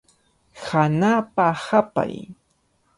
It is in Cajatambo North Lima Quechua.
Hanapa hapay.